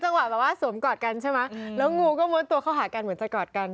จังหวะสวมเกาดกันแล้วงูม้วนตัวเขากันเหมือนจะเกาดกัน